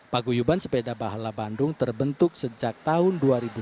paguyuban sepeda bahala bandung terbentuk sejak tahun dua ribu dua belas